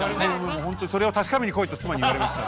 ほんとにそれを確かめにこいと妻に言われました。